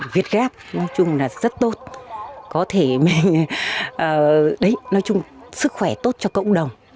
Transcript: việt gáp nói chung là rất tốt có thể nói chung sức khỏe tốt cho cộng đồng